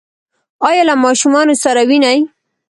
ایا له ماشومانو سره وینئ؟